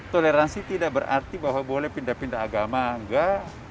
toleransi tidak berarti bahwa boleh pindah pindah agama enggak